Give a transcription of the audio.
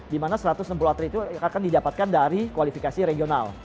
di mana satu ratus enam puluh atlet itu akan didapatkan dari kualifikasi regional